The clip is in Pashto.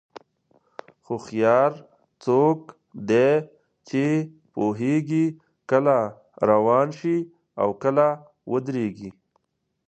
هوښیار څوک دی چې پوهېږي کله روان شي او کله ودرېږي.